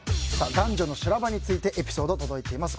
男女の修羅場についてエピソード届いています。